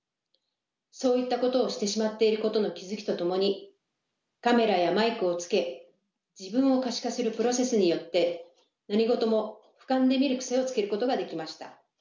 そういったことをしてしまっていることの気付きとともにカメラやマイクをつけ自分を可視化するプロセスによって何事もふかんで見る癖をつけることができました。